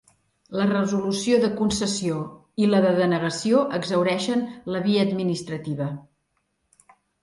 La resolució de concessió i la de denegació exhaureixen la via administrativa.